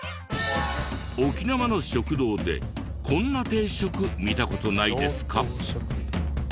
沖縄の食堂でこんな定食見た事ないですか？